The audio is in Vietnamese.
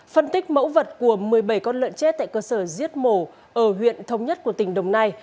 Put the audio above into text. phân tích mẫu vật của một mươi bảy con lợn chết tại cơ sở giết mổ ở huyện thống nhất của tỉnh đồng nai